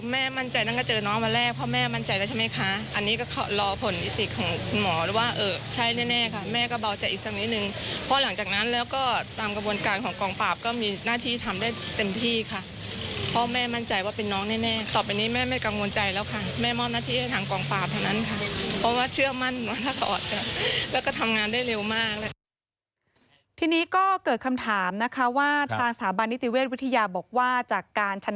แม่มั่นใจตั้งแต่เจอน้องมาแรกเพราะแม่มั่นใจแล้วใช่ไหมคะอันนี้ก็รอผลอิติกของหมอว่าใช่แน่ค่ะแม่ก็เบาใจอีกสักนิดนึงเพราะหลังจากนั้นแล้วก็ตามกระบวนการของกล่องปราบก็มีหน้าที่ทำได้เต็มที่ค่ะเพราะแม่มั่นใจว่าเป็นน้องแน่ต่อไปนี้แม่ไม่กังวลใจแล้วค่ะแม่มอดหน้าที่ให้ทางกล่องปร